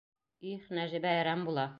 Их, Нәжибә әрәм була.